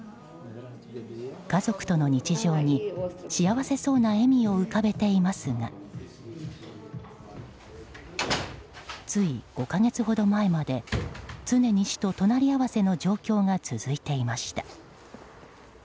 家族との日常に市淡そうな笑みを浮かべていますがつい５か月ほど前まで常に死と隣り合わせの状況が続いていました。